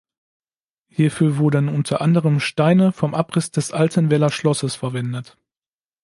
Hierfür wurden unter anderem Steine vom Abriss des alten Werler Schlosses verwendet.